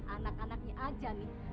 anak anaknya aja nih